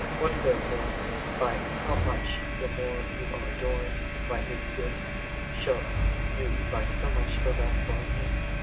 "1* What therefore, by how much the more ye are adorned by His gifts, shall ye by so much the less love Him